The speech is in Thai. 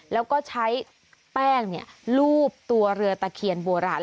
แล้วก็ใช้แป้งรูปตัวเรือตะเคียนโบราณ